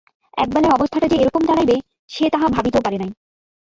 একবেলায় অবস্থাটা যে এরকম দাড়াইবে সে তাহা ভাবিতেও পারে নাই।